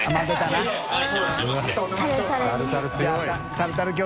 タルタルに。